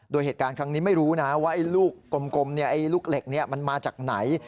โดยเหตุการณ์ครั้งนี้ไม่รู้นะว่าลูกกลมลูกเหล็กมันมาจากไหน